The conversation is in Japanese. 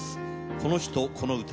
この人この歌